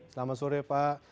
selamat sore pak